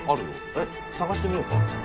え探してみようか？